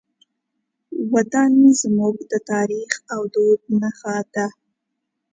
وطن زموږ د تاریخ او دود نښه ده.